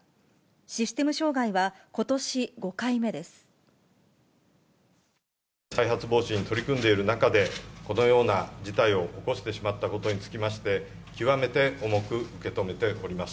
システム障害は、ことし５回目で再発防止に取り組んでいる中で、このような事態を起こしてしまったことにつきまして、極めて重く受け止めております。